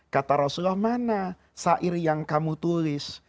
kata rasulullah mana sair yang kamu tulis